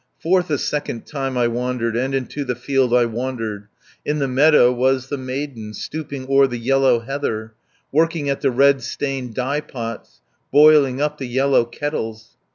"Forth a second time I wandered, And into the field I wandered, In the meadow was the maiden, Stooping o'er the yellow heather; 450 Working at the red stained dye pots, Boiling up the yellow kettles.